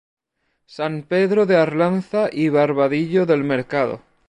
San Pedro de Arlanza y Barbadillo del Mercado.